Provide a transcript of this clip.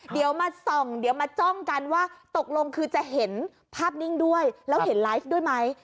เดี๋ยวมาส่องเดี๋ยวมาจ้องกันว่าตกลงคือจะเห็นภาพนิ่งด้วยแล้วเห็นไลฟ์ด้วยไหม